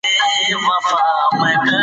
جنګیالي توره وهې.